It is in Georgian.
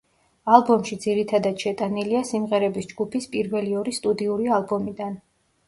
ალბომში ძირითადად შეტანილია სიმღერების ჯგუფის პირველი ორი სტუდიური ალბომიდან.